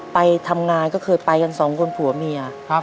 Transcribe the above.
ไปทำงานก็เคยไปกันสองคนผัวเมีย